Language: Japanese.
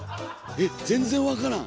ええ？全然分からん。